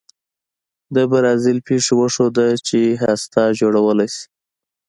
د برازیل پېښې وښوده چې هسته جوړولای شي.